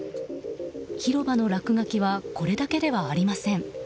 広場の落書きはこれだけではありません。